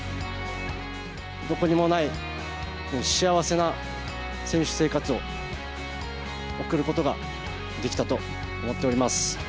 どこにもない幸せな選手生活を送ることができたと思っております。